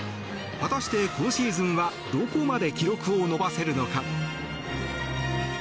果たして今シーズンはどこまで記録を伸ばせるのか。